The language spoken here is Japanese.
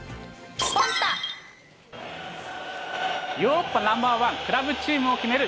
ヨーロッパナンバー１クラブチームを決める